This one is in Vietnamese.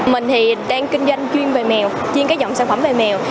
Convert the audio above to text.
mình thì đang kinh doanh chuyên về mèo chuyên cái dọn sản phẩm về mèo